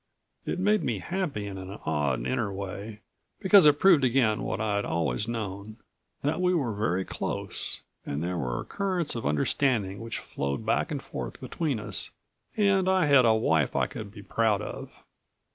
It made me happy in an odd inner way, because it proved again what I'd always known ... that we were very close and there were currents of understanding which flowed back and forth between us and I had a wife I could be proud of.